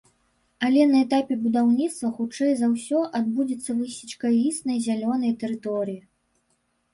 Але на этапе будаўніцтва хутчэй за ўсё адбудзецца высечка існай зялёнай тэрыторый.